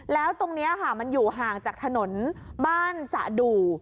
แล้วตรงนี้ค่ะมันอยู่ห่างจากถนนบ้านสะดู